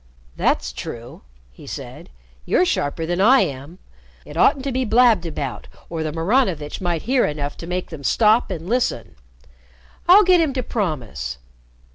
"That's true!" he said. "You're sharper than I am. It oughtn't to be blabbed about, or the Maranovitch might hear enough to make them stop and listen. I'll get him to promise.